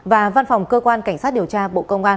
và văn phòng cơ quan cảnh sát điều tra bộ công an